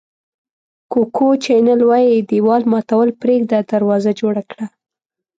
کوکو چینل وایي دېوال ماتول پرېږده دروازه جوړه کړه.